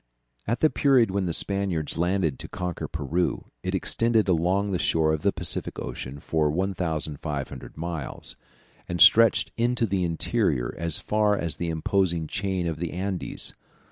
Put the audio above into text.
At the period when the Spaniards landed to conquer Peru, it extended along the shore of the Pacific Ocean for 1500 miles, and stretched into the interior as far as the imposing chain of the Andes.